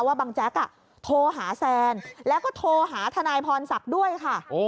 บางแจ๊กโทรหาแซนแล้วก็โทรหาทนายพรศักดิ์ด้วยค่ะ